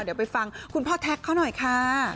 เดี๋ยวไปฟังคุณพ่อแท็กเขาหน่อยค่ะ